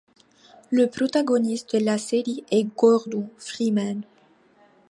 Le protagoniste de la série est Gordon Freeman.